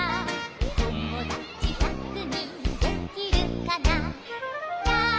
「ともだちひゃくにんできるかな」